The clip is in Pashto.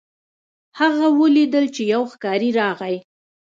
هغه ولیدل چې یو ښکاري راغی.